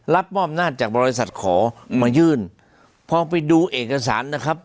รับมอบอำนาจจากบริษัทขอมายื่นพอไปดูเอกสารนะครับ